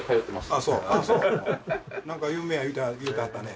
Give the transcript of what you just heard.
あっそう何か有名や言うてはったね